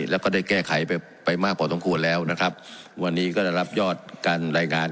แล้วก็ได้แก้ไขไปไปมากพอสมควรแล้วนะครับวันนี้ก็ได้รับยอดการรายงาน